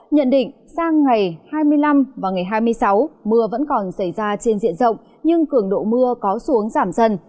nhận định sang ngày hai mươi năm và ngày hai mươi sáu mưa vẫn còn xảy ra trên diện rộng nhưng cường độ mưa có xuống giảm dần